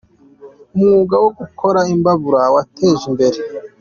Umwuga wo gukora imbabura wabateje imbere